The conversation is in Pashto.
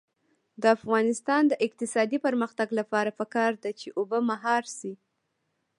د افغانستان د اقتصادي پرمختګ لپاره پکار ده چې اوبه مهار شي.